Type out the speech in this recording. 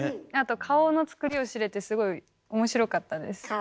あと顔のつくりを知れてすごい面白かったです。